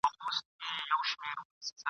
او یا منفی نظر ورکړي !.